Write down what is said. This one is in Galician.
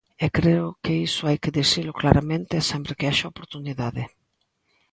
E creo que iso hai que dicilo claramente e sempre que haxa oportunidade.